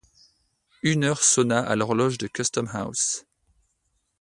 Une heure sonna à l’horloge de Custom-house.